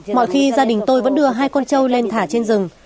nhiều khi gia đình tôi vẫn đưa hai con châu lên thả trên rừng